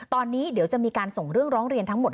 ตอนนี้เดี๋ยวจะมีการส่งเรื่องร้องเรียนทั้งหมด